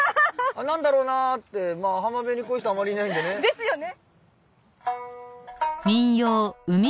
何だろうなって浜辺にこういう人あまりいないんでね。ですよね。